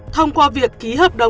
thông qua việc ký hợp đồng